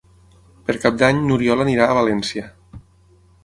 Per Cap d'Any n'Oriol anirà a València.